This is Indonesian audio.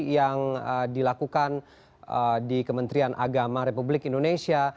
yang dilakukan di kementerian agama republik indonesia